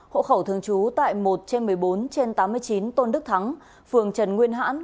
hộ khẩu thường trú tại một một mươi bốn tám mươi chín tôn đức thắng phường trần nguyên hãn